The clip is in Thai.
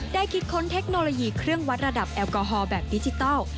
คิดค้นเทคโนโลยีเครื่องวัดระดับแอลกอฮอลแบบดิจิทัล